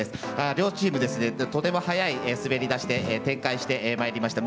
両チーム、とても早い滑り出しで展開してまいりました。